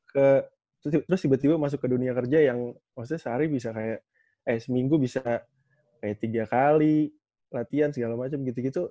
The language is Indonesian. terus tiba tiba masuk ke dunia kerja yang maksudnya sehari bisa kayak eh seminggu bisa kayak tiga kali latihan segala macam gitu gitu